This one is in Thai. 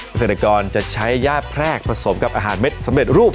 เกษตรกรจะใช้ญาติแพรกผสมกับอาหารเม็ดสำเร็จรูป